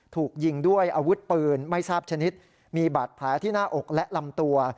ถูกยิงด้วยอาวุธปืนไม่ทราบชนิดมีบาดแผลที่หน้าอกและลำตัว